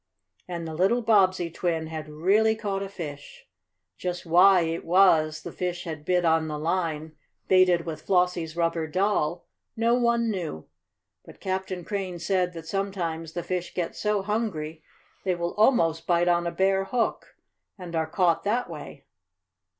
And the little Bobbsey twin had really caught a fish. Just why it was the fish had bit on the line baited with Flossie's rubber doll, no one knew. But Captain Crane said that sometimes the fish get so hungry they will almost bite on a bare hook, and are caught that way.